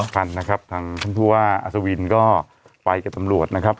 ทันนะครับทางท่านผู้ว่าอัศวินก็ไปกับตำรวจนะครับ